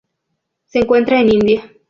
Se encuentra en India.